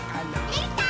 できたー！